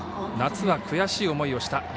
夏は悔しい思いをした。